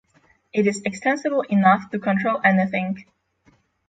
It is extensible enough to control anything